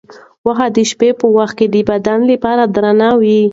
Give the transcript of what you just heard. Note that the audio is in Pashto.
غوښه د شپې په وخت کې د بدن لپاره درنه وي.